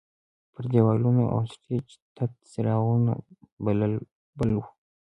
پر دیوالونو او سټیج تت څراغونه بل وو.